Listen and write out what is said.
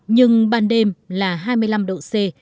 nhưng ban đêm là hai mươi năm độ c